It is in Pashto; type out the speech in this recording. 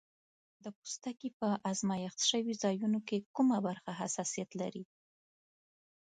د پوستکي په آزمېښت شوي ځایونو کې کومه برخه حساسیت لري؟